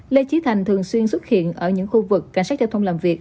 lê trí thành thường xuyên xuất hiện ở những khu vực cảnh sát giao thông làm việc